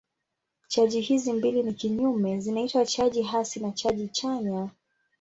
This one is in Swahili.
Chaji hizi mbili ni kinyume zinaitwa chaji hasi na chaji chanya.